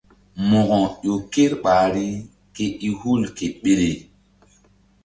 Mo̧ko ƴo ker ɓahri ke i hu ke ɓele.